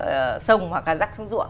ở sông hoặc là rắc xuống ruộng